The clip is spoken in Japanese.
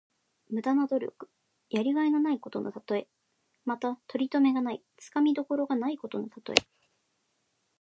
無駄な努力。やりがいのないことのたとえ。また、とりとめがない、つかみどころがないことのたとえ。